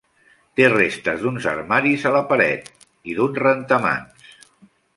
Té restes d'uns armaris a la paret, i d'un rentamans.